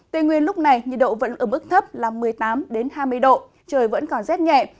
tây nguyên lúc này nhiệt độ vẫn ở mức thấp là một mươi tám hai mươi độ trời vẫn còn rét nhẹ